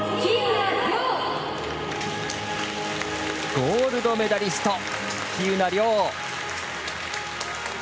ゴールドメダリスト喜友名諒。